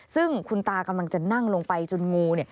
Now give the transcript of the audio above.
ซึ่งคุณตากำลังจะนั่งลงไปจนงู